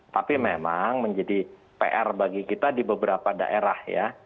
tapi memang menjadi pr bagi kita di beberapa daerah ya